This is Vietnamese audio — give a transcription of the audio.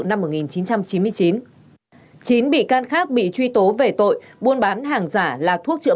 năm một nghìn chín trăm chín mươi chín chín bị can khác bị truy tố về tội buôn bán hàng giả là thuốc chữa